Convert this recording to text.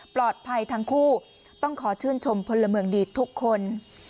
ทั้งคู่ต้องขอชื่นชมพลเมืองดีทุกคน